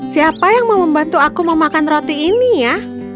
siapa yang mau membantu aku memakan roti ini ya